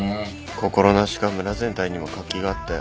心なしか村全体にも活気があったよ。